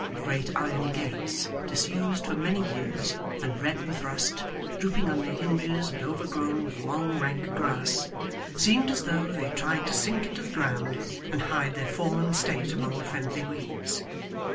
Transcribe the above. Great iron gates, disused for many years, and red with rust, drooping on their hinges and overgrown with long rank grass, seemed as though they tried to sink into the ground, and hide their fallen state among the friendly weeds.